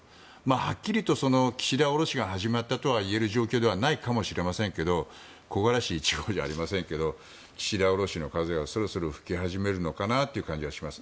はっきりと言うと岸田降ろしが始まったと言える状況ではないかもしれませんが木枯らし一号ではありませんが岸田下ろしの風はそろそろ吹き始めるのかなという感じがします。